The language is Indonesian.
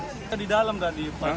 di dalam tadi dalam petani makan